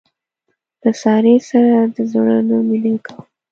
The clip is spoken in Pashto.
له سارې سره د زړه نه مینه کوم.